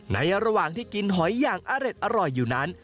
ระหว่างที่กินหอยอย่างอร่อยอยู่นั้น